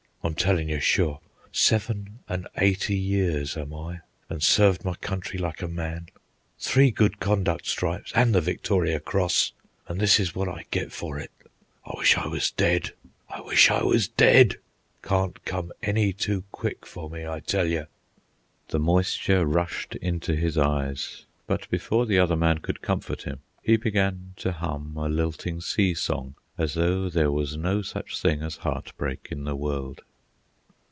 I'm tellin' you sure. Seven an' eighty years am I, an' served my country like a man. Three good conduct stripes and the Victoria Cross, an' this is what I get for it. I wish I was dead, I wish I was dead. Can't come any too quick for me, I tell you." The moisture rushed into his eyes, but, before the other man could comfort him, he began to hum a lilting sea song as though there was no such thing as heartbreak in the world.